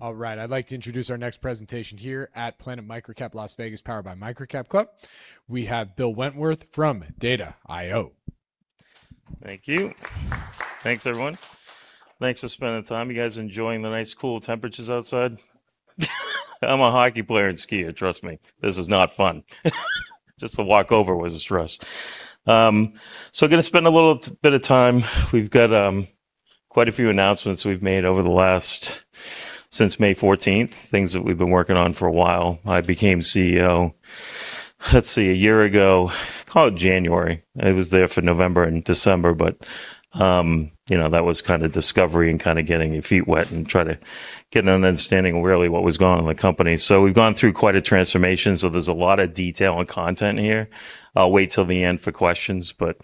All right. I'd like to introduce our next presentation here at Planet MicroCap Las Vegas, powered by MicroCapClub. We have Bill Wentworth from Data I/O. Thank you. Thanks, everyone. Thanks for spending the time. You guys enjoying the nice cool temperatures outside? I'm a hockey player and skier. Trust me, this is not fun. Just the walk over was a stress. Going to spend a little bit of time. We've got quite a few announcements we've made over the last, since May 14th, things that we've been working on for a while. I became CEO, let's see, a year ago. Call it January. I was there for November and December, that was kind of discovery and kind of getting your feet wet and try to get an understanding of really what was going on in the company. We've gone through quite a transformation. There's a lot of detail and content here. I'll wait till the end for questions, I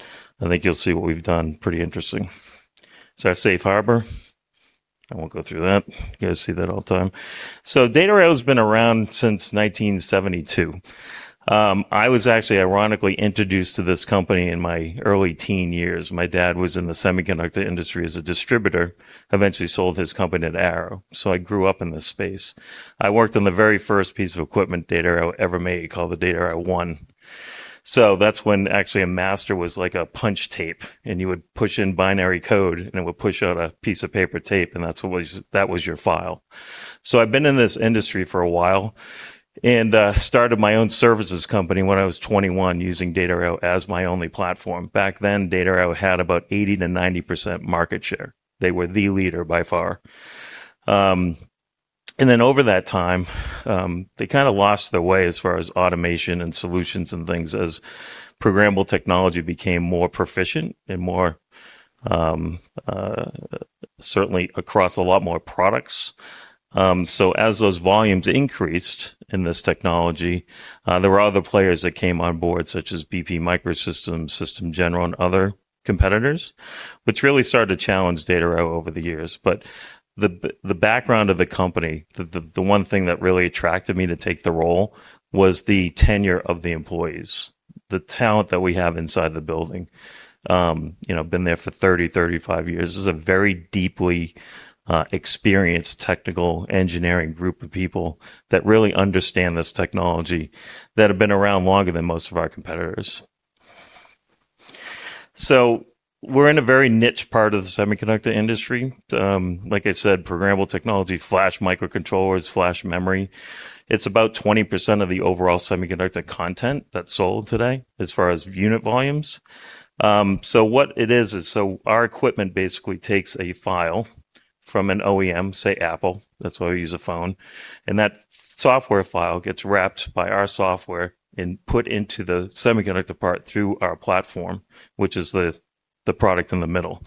think you'll see what we've done, pretty interesting. Our safe harbor, I won't go through that. You guys see that all the time. Data I/O's been around since 1972. I was actually ironically introduced to this company in my early teen years. My dad was in the semiconductor industry as a distributor, eventually sold his company to Arrow. I grew up in this space. I worked on the very first piece of equipment Data I/O ever made, called the Data I/O 1. That's when actually a master was like a punch tape, and you would push in binary code, and it would push out a piece of paper tape, and that was your file. I've been in this industry for a while and started my own services company when I was 21, using Data I/O as my only platform. Back then, Data I/O had about 80%-90% market share. They were the leader by far. Over that time, they kind of lost their way as far as automation and solutions and things as programmable technology became more proficient and more, certainly, across a lot more products. As those volumes increased in this technology, there were other players that came on board, such as BPM Microsystems, System General, and other competitors, which really started to challenge Data I/O over the years. The background of the company, the one thing that really attracted me to take the role, was the tenure of the employees, the talent that we have inside the building, been there for 30, 35 years. This is a very deeply experienced technical engineering group of people that really understand this technology, that have been around longer than most of our competitors. We're in a very niche part of the semiconductor industry. Like I said, programmable technology, flash microcontrollers, flash memory. It's about 20% of the overall semiconductor content that's sold today as far as unit volumes. What it is, our equipment basically takes a file from an OEM, say Apple, that's why we use a phone, and that software file gets wrapped by our software and put into the semiconductor part through our platform, which is the product in the middle.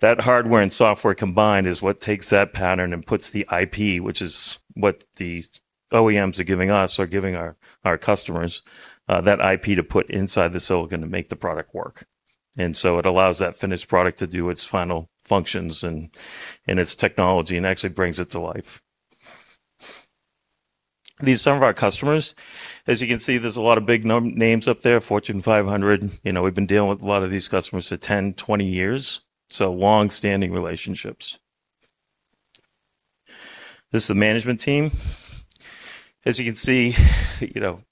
That hardware and software combined is what takes that pattern and puts the IP, which is what these OEMs are giving us, are giving our customers, that IP to put inside the silicon to make the product work. It allows that finished product to do its final functions and its technology, and actually brings it to life. These are some of our customers. As you can see, there's a lot of big names up there, Fortune 500. We've been dealing with a lot of these customers for 10, 20 years, so longstanding relationships. This is the management team. As you can see,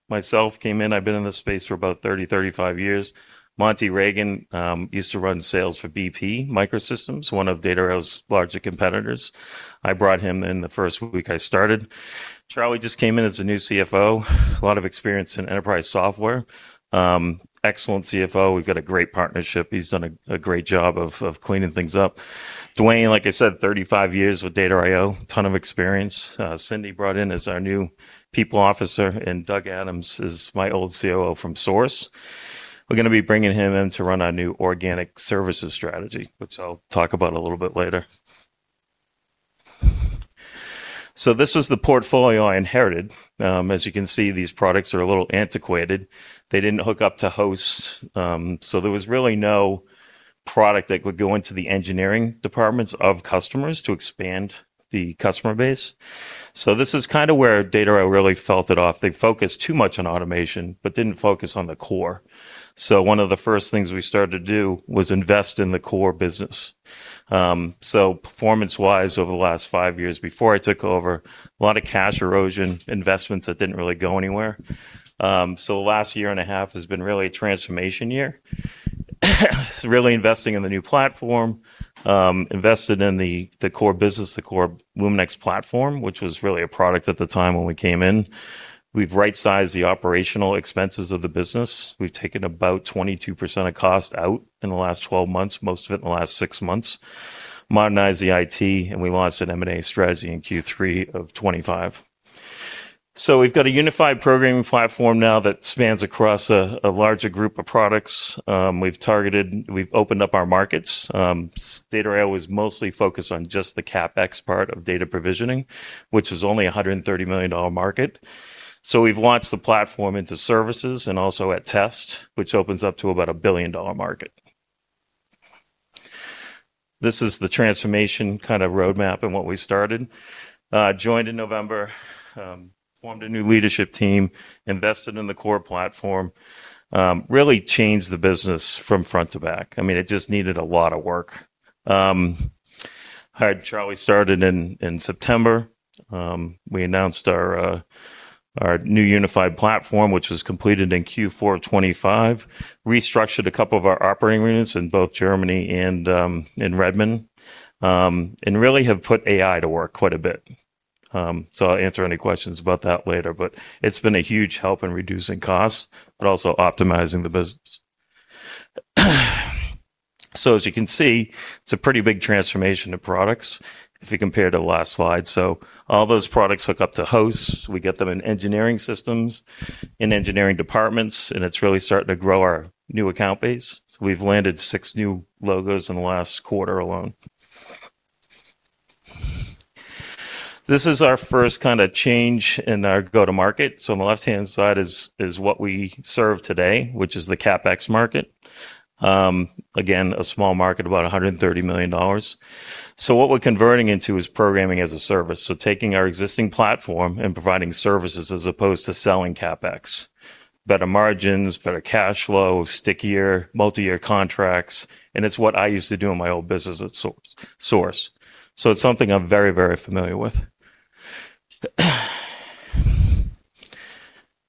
myself came in. I've been in this space for about 30, 35 years. Monty Reagan used to run sales for BPM Microsystems, one of Data I/O's larger competitors. I brought him in the first week I started. Charlie just came in as a new CFO, a lot of experience in enterprise software. Excellent CFO. We've got a great partnership. He's done a great job of cleaning things up. Duane, like I said, 35 years with Data I/O, ton of experience. Cindy brought in as our new people officer, and Doug Adams is my old COO from Source. We're going to be bringing him in to run our new organic services strategy, which I'll talk about a little bit later. This was the portfolio I inherited. As you can see, these products are a little antiquated. They didn't hook up to hosts, so there was really no product that could go into the engineering departments of customers to expand the customer base. This is kind of where Data I/O really fell off. They focused too much on automation but didn't focus on the core. One of the first things we started to do was invest in the core business. Performance-wise, over the last five years before I took over, a lot of cash erosion investments that didn't really go anywhere. The last year and a half has been really a transformation year, really investing in the new platform, invested in the core business, the core LumenX platform, which was really a product at the time when we came in. We've right-sized the operational expenses of the business. We've taken about 22% of cost out in the last 12 months, most of it in the last six months, modernized the IT, and we launched an M&A strategy in Q3 of 2025. We've got a unified programming platform now that spans across a larger group of products. We've opened up our markets. Data I/O was mostly focused on just the CapEx part of data provisioning, which was only a $130 million market. We've launched the platform into services and also at test, which opens up to about a billion-dollar market. This is the transformation kind of roadmap and what we started, joined in November, formed a new leadership team, invested in the core platform, really changed the business from front to back. It just needed a lot of work. Hired Charlie started in September. We announced our new unified platform, which was completed in Q4 2025, restructured a couple of our operating units in both Germany and in Redmond, and really have put AI to work quite a bit. I'll answer any questions about that later, but it's been a huge help in reducing costs, but also optimizing the business. As you can see, it's a pretty big transformation of products if you compare to the last slide. All those products hook up to hosts. We get them in engineering systems, in engineering departments, and it's really starting to grow our new account base. We've landed six new logos in the last quarter alone. This is our first kind of change in our go to market. On the left-hand side is what we serve today, which is the CapEx market. Again, a small market, about $130 million. What we're converting into is Programming-as-a-Service. Taking our existing platform and providing services as opposed to selling CapEx. Better margins, better cash flow, stickier multi-year contracts. It's what I used to do in my old business at Source. It's something I'm very, very familiar with.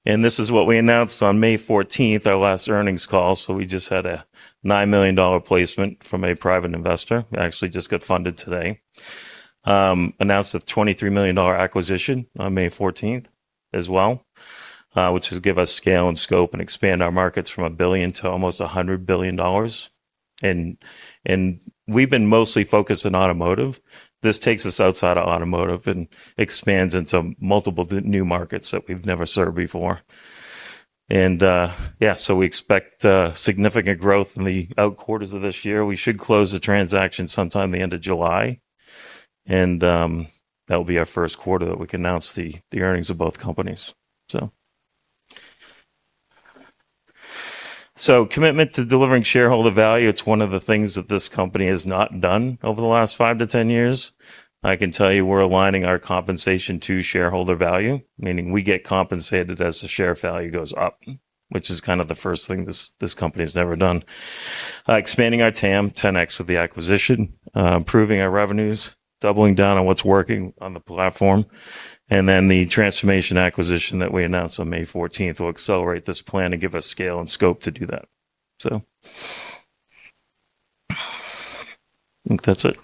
This is what we announced on May 14th, our last earnings call. We just had a $9 million placement from a private investor. We actually just got funded today. Announced a $23 million acquisition on May 14th as well, which will give us scale and scope and expand our markets from $1 billion to almost $100 billion. We've been mostly focused on automotive. This takes us outside of automotive and expands into multiple new markets that we've never served before. We expect significant growth in the out quarters of this year. We should close the transaction sometime the end of July, and that'll be our first quarter that we can announce the earnings of both companies. Commitment to delivering shareholder value, it's one of the things that this company has not done over the last 5-10 years. I can tell you we're aligning our compensation to shareholder value, meaning we get compensated as the share value goes up, which is kind of the first thing this company has never done. Expanding our TAM 10x with the acquisition. Improving our revenues, doubling down on what's working on the platform. The transformation acquisition that we announced on May 14th will accelerate this plan and give us scale and scope to do that. I think that's it.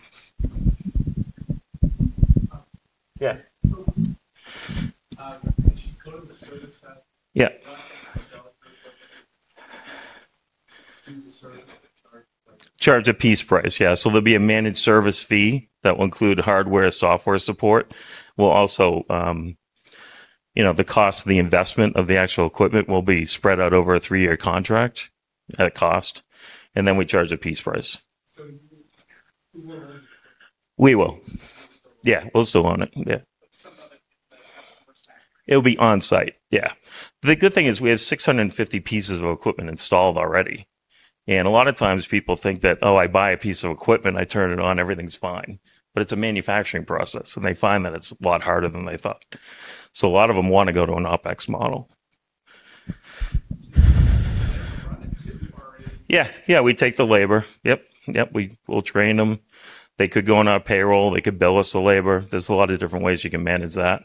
Yeah. Yeah Charge a piece price. Yeah. There'll be a managed service fee that will include hardware, software support, the cost of the investment of the actual equipment will be spread out over a three-year contract at a cost, and then we charge a piece price. Yeah. We'll still own it. It'll be on-site. Yeah. The good thing is we have 650 pieces of equipment installed already. A lot of times people think that, Oh, I buy a piece of equipment, I turn it on, everything's fine. It's a manufacturing process, and they find that it's a lot harder than they thought. A lot of them want to go to an OpEx model. Yeah. We take the labor. Yeah. We'll train them. They could go on our payroll. They could bill us the labor. There's a lot of different ways you can manage that.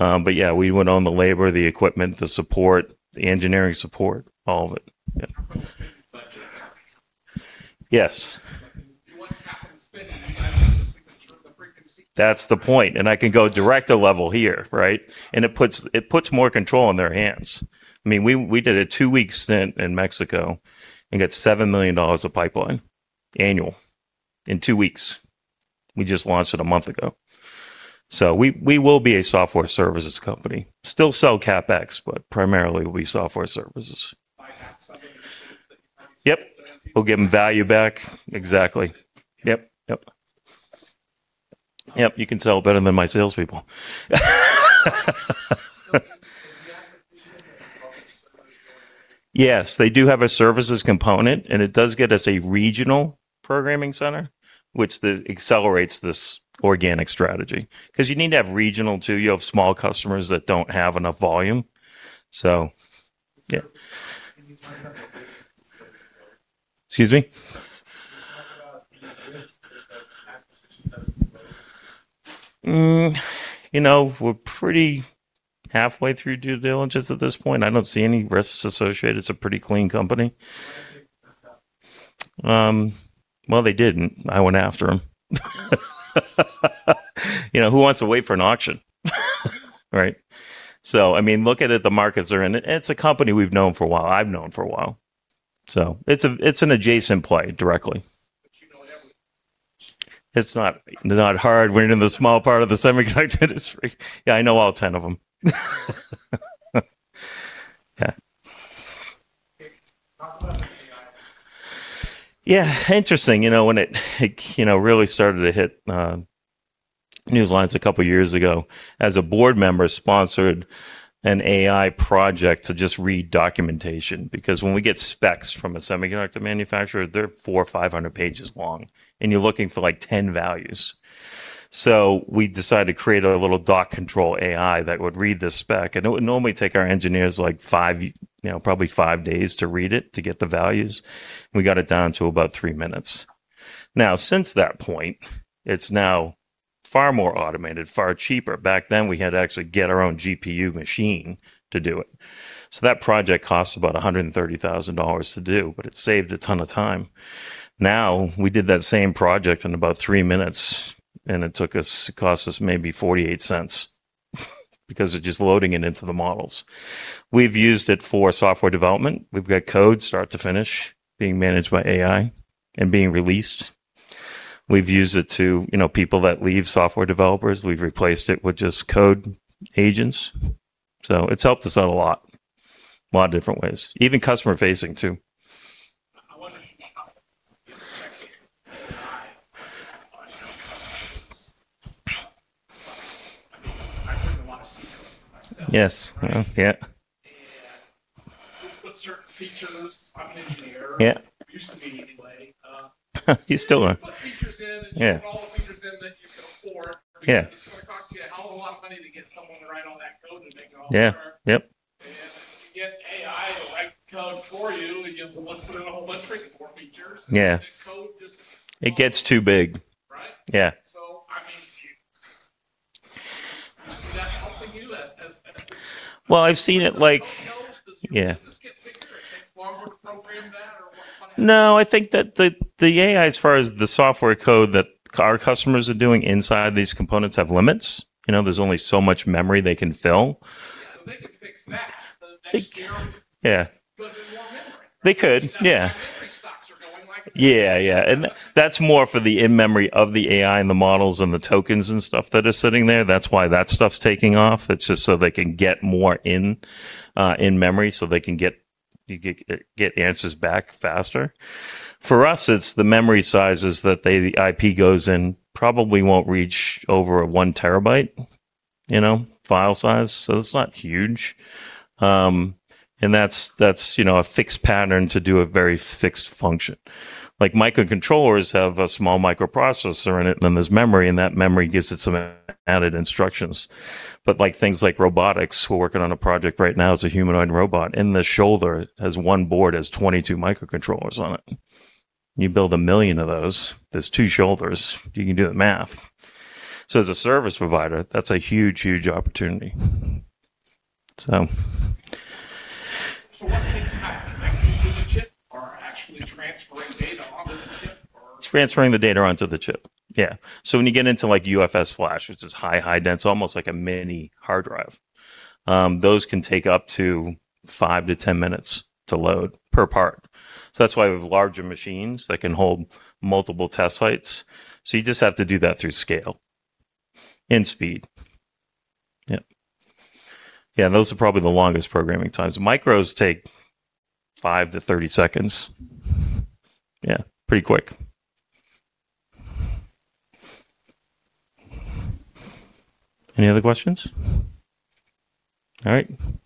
Yeah, we would own the labor, the equipment, the support, the engineering support, all of it. Yeah. Yes. That's the point. I can go director level here, right? It puts more control in their hands. We did a two-week stint in Mexico and got $7 million of pipeline annual in two weeks. We just launched it a month ago. We will be a software services company. Still sell CapEx, but primarily we'll be software services. Yeah. We'll give them value back. Exactly. Yeah. Yeah. You can sell better than my salespeople. Yes, they do have a services component, and it does get us a regional programming center, which accelerates this organic strategy because you need to have regional too. You have small customers that don't have enough volume. Yeah. Excuse me? We're pretty halfway through due diligence at this point. I don't see any risks associated. It's a pretty clean company. They didn't. I went after them. Who wants to wait for an auction, right? Look at it, the markets are in it. It's a company we've known for a while. I've known for a while. It's an adjacent play directly. You know everyone. It's not hard when you're in the small part of the semiconductor industry. Yeah, I know all 10 of them. Yeah. Yeah, interesting. When it really started to hit news lines a couple of years ago, as a board member, sponsored an AI project to just read documentation, because when we get specs from a semiconductor manufacturer, they're 400 or 500 pages long, and you're looking for 10 values. We decided to create a little doc control AI that would read this spec, and it would normally take our engineers probably five days to read it to get the values. We got it down to about three minutes. Since that point, it's now far more automated, far cheaper. Back then, we had to actually get our own GPU machine to do it. That project cost about $130,000 to do, but it saved a ton of time. We did that same project in about three minutes, and it cost us maybe $0.48 because of just loading it into the models. We've used it for software development. We've got code start to finish being managed by AI and being released. We've used it to, people that leave, software developers, we've replaced it with just code agents. It's helped us out a lot, a lot of different ways. Even customer-facing too. Yes. Yeah. Yeah. You still are. Yeah Yeah Yeah. Yep. Yeah. It gets too big. Yeah. Well, I've seen it like- Yeah. No, I think that the AI, as far as the software code that our customers are doing inside these components, have limits. There's only so much memory they can fill. Yeah They could, yeah. That's more for the in-memory of the AI and the models and the tokens and stuff that are sitting there. That's why that stuff's taking off. It's just so they can get more in memory so they can get answers back faster. For us, it's the memory sizes that the IP goes in probably won't reach over a one terabyte file size, so it's not huge. That's a fixed pattern to do a very fixed function. Like microcontrollers have a small microprocessor in it, and then there's memory, and that memory gives it some added instructions. But things like robotics, we're working on a project right now as a humanoid robot, in the shoulder has one board, has 22 microcontrollers on it. You build 1 million of those, there's two shoulders. You can do the math. As a service provider, that's a huge opportunity. What takes time? It's transferring the data onto the chip. Yeah. When you get into UFS flash, which is high dense, almost like a mini hard drive, those can take up to 5-10 minutes to load per part. That's why we have larger machines that can hold multiple test sites. You just have to do that through scale and speed. Yep. Yeah, those are probably the longest programming times. Micros take 5-30 seconds. Yeah, pretty quick. Any other questions? All right.